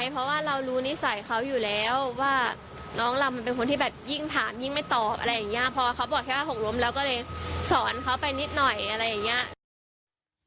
พอเขาบอกแค่ว่าหกล้มแล้วก็เลยสอนเขาไปนิดหน่อยอะไรอย่างเงี้ย